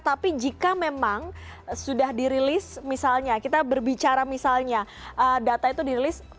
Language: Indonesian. tapi jika memang sudah dirilis misalnya kita berbicara misalnya data itu dirilis